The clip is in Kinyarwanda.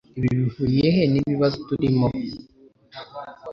Ibi bihuriye he nibibazo turimo?